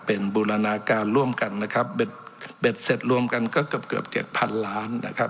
เป็นบูรณาการร่วมกันนะครับเบ็ดเสร็จรวมกันก็เกือบเกือบเจ็ดพันล้านนะครับ